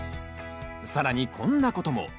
更にこんなことも。